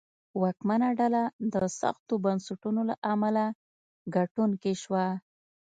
واکمنه ډله د سختو بنسټونو له امله ګټونکې شوه.